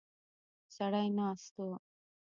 سړی ناست و.